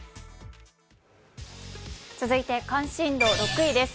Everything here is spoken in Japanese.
続いて関心度６位です。